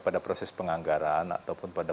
pada proses penganggaran ataupun pada